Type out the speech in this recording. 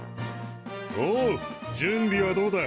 おう準備はどうだ？